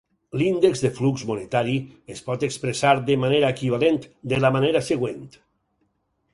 L'índex de flux monetari es pot expressar de manera equivalent de la manera següent.